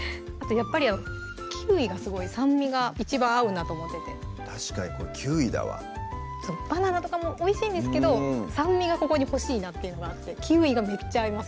やっぱりキウイがすごい酸味が一番合うなと思ってて確かにこれキウイだわバナナとかもおいしいんですけど酸味がここに欲しいなっていうのがあってキウイがめっちゃ合います